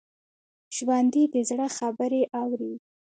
ژوندي د زړه خبرې اوري